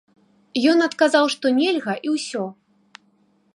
Ён адказаў, што нельга і ўсё.